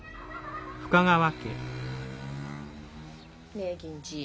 ねえ銀次。